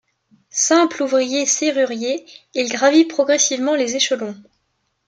Simple ouvrier serrurier, il gravit progressivement les échelons.